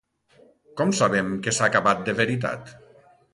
Com sabem que s'ha acabat de veritat?